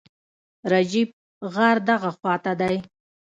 رجیب، غار دغه خواته دی.